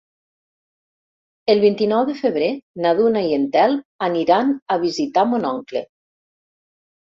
El vint-i-nou de febrer na Duna i en Telm aniran a visitar mon oncle.